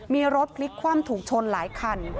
มีรถพลิกคว่ำถูกชนหลายคัน